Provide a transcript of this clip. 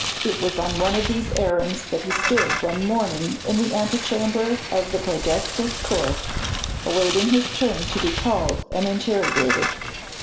It was on one of these errands that he stood one morning in the antechamber of the Podestà's court, awaiting his turn to be called and interrogated.